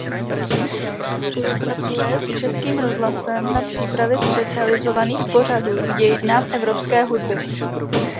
Spolupracuje s Českým rozhlasem na přípravě specializovaných pořadů k dějinám evropské hudby.